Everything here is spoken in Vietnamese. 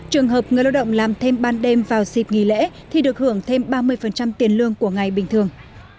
trường hợp người lao động làm thêm ban đêm vào dịp nghỉ lễ thì được hưởng thêm ba mươi tiền lương của ngày bình thường